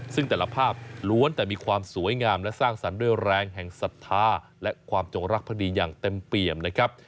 ซึ่งแต่ละภาพล้วนแต่มีความสวยงามและสร้างสรรค์ด้วยแรงแห่งศรัทธาและความจงรักภดีอย่างเต็มเปี่ยมนะครับ